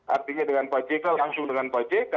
artinya dengan pak jk langsung dengan pak jk